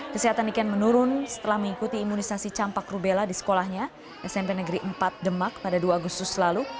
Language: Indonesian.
kesehatan niken menurun setelah mengikuti imunisasi campak rubella di sekolahnya smp negeri empat demak pada dua agustus lalu